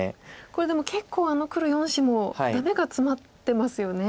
これでも結構あの黒４子もダメがツマってますよね。